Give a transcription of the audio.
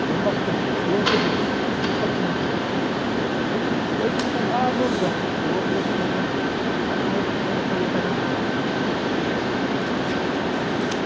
はいうまいのとれたな。